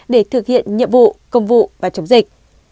để thực hiện nhiệm vụ công vụ và chống dịch